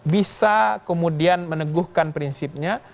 bisa kemudian meneguhkan prinsipnya